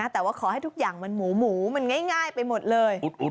แต่ว่าขอให้ทุกอย่างมันหมูมันง่ายไปหมดเลย